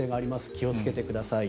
気をつけてください。